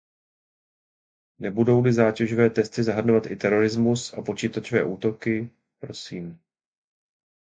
Nebudou-li zátěžové testy zahrnovat i terorismus a počítačové útoky, prosím.